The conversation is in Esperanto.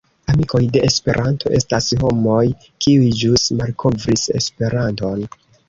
Amikoj de Esperanto estas homoj, kiuj ĵus malkovris Esperanton.